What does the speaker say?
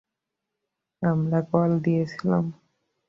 আমরা কল দিয়েছিলাম।